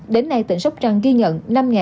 đến nay tỉnh sóc trăng ghi nhận